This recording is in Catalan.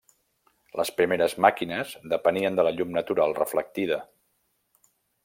Les primeres màquines depenien de la llum natural reflectida.